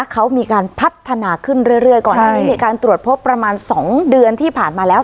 เขามีการพัฒนาขึ้นเรื่อยก่อนหน้านี้มีการตรวจพบประมาณ๒เดือนที่ผ่านมาแล้ว